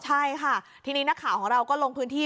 ใช่ค่ะทีนี้นักข่าวของเราก็ลงพื้นที่